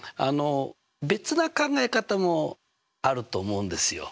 別な考え方もあると思うんですよ。